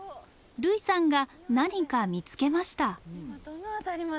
類さんが何か見つけました。